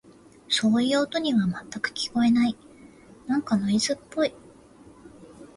そういう音には、全く聞こえない。なんかノイズっぽい。